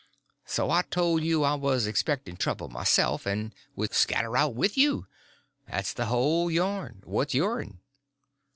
So I told you I was expecting trouble myself, and would scatter out with you. That's the whole yarn—what's yourn?